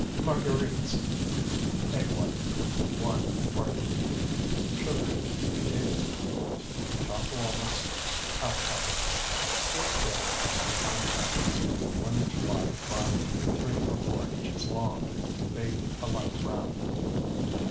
MARGUERITES Egg white, 1, partly beaten. Sugar, 2 tablespoonfuls. Chopped walnuts, ½ cup. Stir together and spread on crackers, one inch wide by three or four inches long. Bake a light brown.